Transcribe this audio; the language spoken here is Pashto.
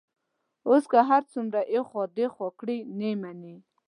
اوس که هر څومره ایخوا دیخوا کړي، نه مني.